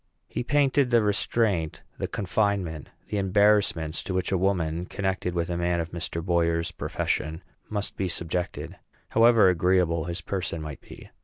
He painted the restraint, the confinement, the embarrassments to which a woman connected with a man of Mr. Boyer's profession must be subjected, however agreeable his person might be.